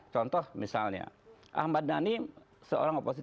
contoh misalnya ahmad dhani seorang oposisi